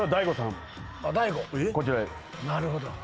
なるほど。